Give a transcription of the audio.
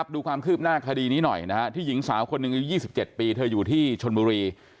ดูความคืบหน้าคดีนี้หน่อยนะฮะที่หญิงสาวคนหนึ่งอายุ๒๗ปีเธออยู่ที่ชนบุรี